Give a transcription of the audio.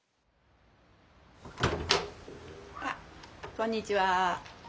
こんにちは。